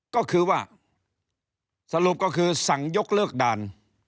ก็คือว่าสรุปก็คือสั่งยกเลิกด่าน